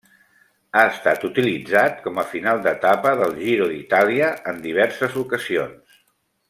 Ha estat utilitzat com a final d'etapa del Giro d'Itàlia en diverses ocasions.